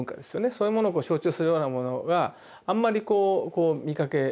そういうものを象徴するようなものがあんまりこう見かけないと。